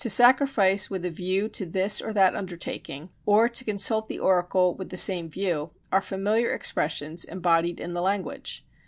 To sacrifice with a view to this or that undertaking, or to consult the oracle with the same view, are familiar expressions embodied in the language.